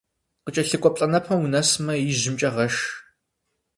Къыкӏэлъыкӏуэ плӏэнэпэм унэсмэ, ижьымкӏэ гъэш.